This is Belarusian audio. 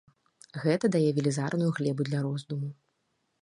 Гэта дае велізарную глебу для роздуму.